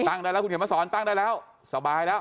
ตั้งได้แล้วคุณเขียนมาสอนตั้งได้แล้วสบายแล้ว